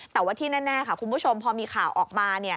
แต่ว่าที่แน่ค่ะคุณผู้ชมพอมีข่าวออกมา